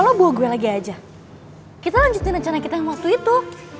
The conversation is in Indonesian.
lo bawa gue lagi aja kita lanjutin acara kita yang waktu itu